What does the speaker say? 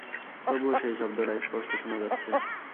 তবুও সেই শব্দটা স্পষ্ট শোনা যাচ্ছে।